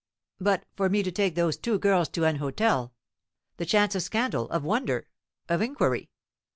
"But for me to take those two girls to an hotel the chance of scandal, of wonder, of inquiry?